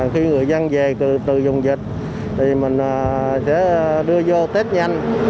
khi người dân về từ vùng dịch thì mình sẽ đưa vô tết nhanh